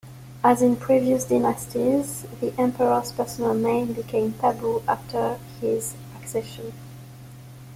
As in previous dynasties, the emperor's personal name became taboo after his accession.